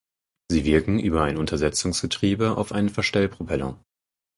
Sie wirken über ein Untersetzungsgetriebe auf einen Verstellpropeller.